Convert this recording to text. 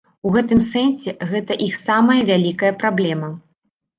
У гэтым сэнсе гэта іх самая вялікая праблема.